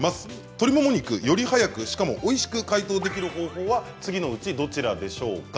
鶏もも肉より早くしかもおいしく解凍できる方法は次のうちどちらでしょうか。